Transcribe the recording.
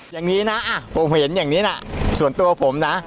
อย่างนี้นะผมเห็นอย่างนี้นะส่วนตัวผมนะ